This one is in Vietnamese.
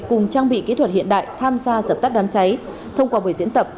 cùng trang bị kỹ thuật hiện đại tham gia dập tắt đám cháy thông qua buổi diễn tập